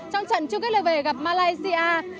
trong trận chung kết lời về gặp malaysia